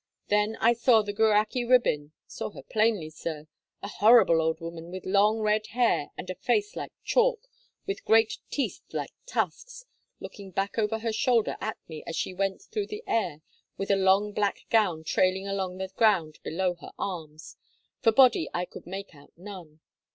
Then I saw the Gwrach y Rhibyn, saw her plainly, sir, a horrible old woman with long red hair and a face like chalk, and great teeth like tusks, looking back over her shoulder at me as she went through the air with a long black gown trailing along the ground below her arms, for body I could make out none.